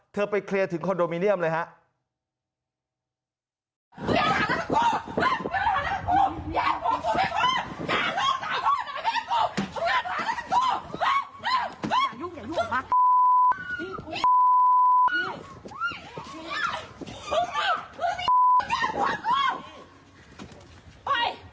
ไปเคลียร์ถึงคอนโดมิเนียมเลยครับ